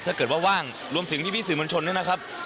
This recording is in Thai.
ถ้าอาจเวลาว่างรวมถึงที่พี่สื่อบนชนนะนะครับ